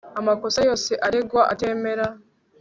amakosa yose aregwa atemera